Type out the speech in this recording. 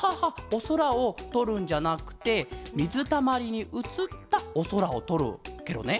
おそらをとるんじゃなくてみずたまりにうつったおそらをとるケロね。